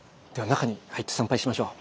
中に入って参拝しましょう。